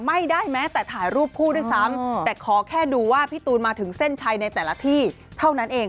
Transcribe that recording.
ไม่ได้แม้แต่ถ่ายรูปคู่ด้วยซ้ำแต่ขอแค่ดูว่าพี่ตูนมาถึงเส้นชัยในแต่ละที่เท่านั้นเอง